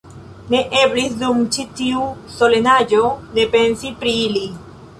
Ne eblis dum ĉi tiu solenaĵo ne pensi pri ili.